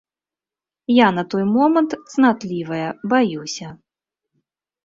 Я на той момант цнатлівая, баюся.